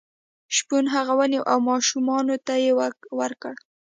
شپون هغه ونیو او ماشومانو ته یې ورکړ.